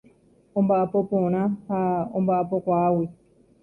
Omba'apo porã ha omba'apokuaágui.